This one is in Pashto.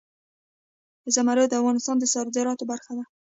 زمرد د افغانستان د صادراتو برخه ده.